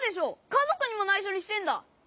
かぞくにもないしょにしてんだ！